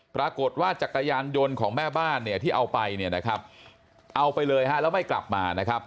ปรากฏว่าจักรยานยนต์ของแม่บ้านที่เอาไปเอาไปเลยแล้วไม่กลับมา